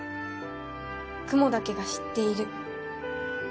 「雲だけが知っている」